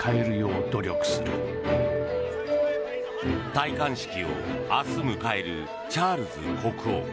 戴冠式を明日迎えるチャールズ国王。